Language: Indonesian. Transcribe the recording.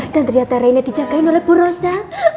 dan ternyata reina dijagain oleh bu rosa